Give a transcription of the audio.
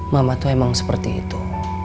mama tuh emang seperti itu